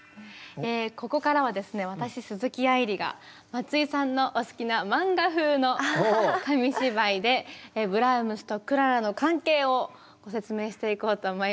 ここからはですね私鈴木愛理が松井さんのお好きな漫画風の紙芝居でブラームスとクララの関係をご説明していこうと思います。